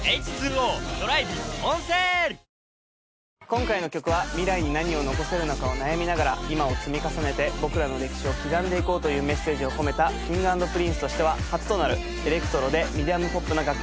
今回の曲は未来に何を残せるのかを悩みながら今を積み重ねて僕らの歴史を刻んでいこうというメッセージを込めたＫｉｎｇ＆Ｐｒｉｎｃｅとしては初となるエレクトロでミディアムポップな楽曲となっています。